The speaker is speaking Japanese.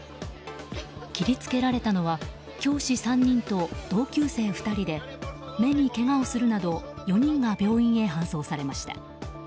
切りつけられたのは教師３人と同級生２人で目にけがをするなど４人が病院へ搬送されました。